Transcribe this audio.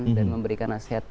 dan memberikan nasihat